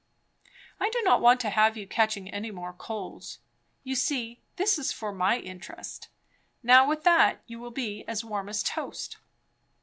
I don't want to have you catching any more colds. You see, this is for my interest. Now with that you will be as warm as a toast."